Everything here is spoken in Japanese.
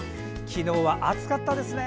昨日は暑かったですね。